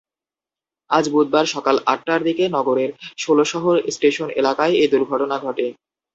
আজ বুধবার সকাল আটটার দিকে নগরের ষোলশহর স্টেশন এলাকায় এ দুর্ঘটনা ঘটে।